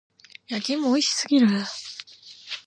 焼き芋美味しすぎる。